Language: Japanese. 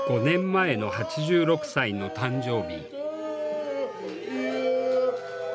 ８６！５年前の８６歳の誕生日。